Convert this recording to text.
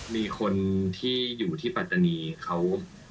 มีคนที่อยู่ที่ปัตตานีเขา